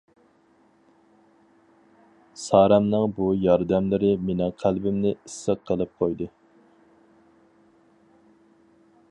سارەمنىڭ بۇ ياردەملىرى مېنىڭ قەلبىمنى ئىسسىق قىلىپ قويدى.